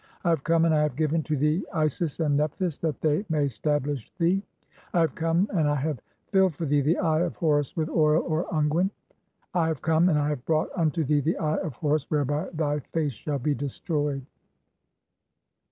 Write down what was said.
(45) "I have come, and I have given [to thee] Isis and Neph "thys that they may stablish thee. (46) "I have come, and I have filled for thee the Eye of "Horus [with] oil (or unguent). (47) "I have come, and I have brought unto thee the Eye of "Horus, whereby thy face shall be destroyed."